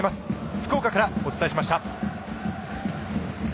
福岡からお伝えしました。